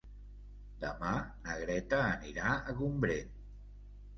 Demà na Greta anirà a Gombrèn.